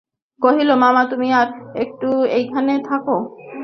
কহিল, মামা, তুমি আর-একটু এইখানে থাকো।